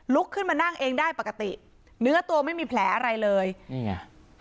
ขึ้นมานั่งเองได้ปกติเนื้อตัวไม่มีแผลอะไรเลยนี่ไง